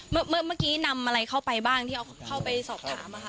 เมื่อเมื่อกี้นำอะไรเข้าไปบ้างที่เข้าไปสอบถามนะคะ